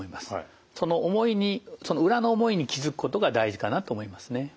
その思いにその裏の思いに気付くことが大事かなと思いますね。